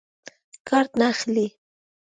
کارټ نه اخلي.